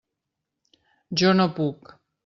Jo no puc.